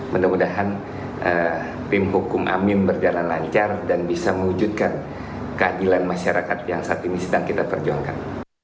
mudah mudahan tim hukum amin berjalan lancar dan bisa mewujudkan keadilan masyarakat yang saat ini sedang kita perjuangkan